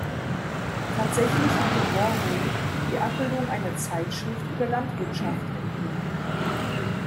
Tatsächlich hatte Warhol die Abbildung einer Zeitschrift über Landwirtschaft entnommen.